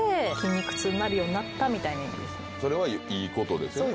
それはいいことですよね？